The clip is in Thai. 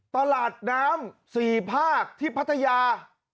ตลาดน้ำ๔ภาคที่พัทยา